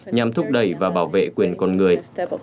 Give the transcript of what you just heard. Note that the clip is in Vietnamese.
nhằm thúc đẩy và bảo vệ quyền con người